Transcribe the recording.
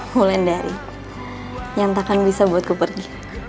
mulai dari yang takkan bisa buat gue pergi